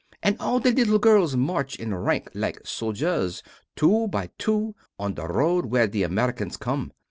And all the little girls march in rank like soldiers, two by two, on to the road where the Americans come.